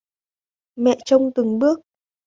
Mẹ trông từng bước